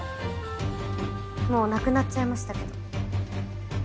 もう亡くなっちゃいましたけど。